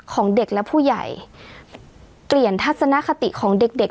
ของเด็กและผู้ใหญ่เปลี่ยนทัศนคติของเด็กเด็ก